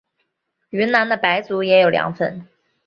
云南的白族也有凉粉。